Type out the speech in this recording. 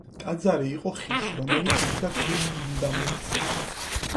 ტაძარი იყო ხის, რომელიც იდგა ქვის ფუნდამენტზე.